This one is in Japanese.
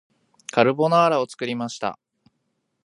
カルボナーラを作りました